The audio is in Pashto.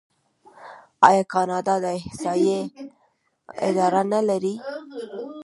آیا کاناډا د احصایې اداره نلري؟